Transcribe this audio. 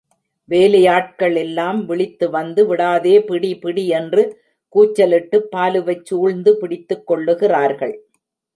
வேலையாட்கள் எல்லாம் விழித்து வந்து, விடாதே பிடி, பிடி என்று கூச்சலிட்டுப் பாலுவைச் சூழ்ந்து பிடித்துக்கொள்ளுகிறார்கள்.